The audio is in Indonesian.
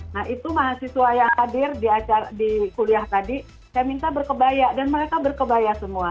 nah itu mahasiswa yang hadir di kuliah tadi saya minta berkebaya dan mereka berkebaya semua